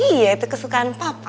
iya itu kesukaan papa